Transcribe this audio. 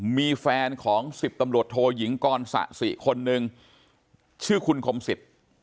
มีแฟนของ๑๐ตำรวจโทยิงกรสะสิคนหนึ่งชื่อคุณคมสิทธิ์